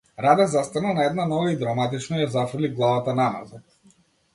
Раде застана на една нога и драматично ја зафрли главата наназад.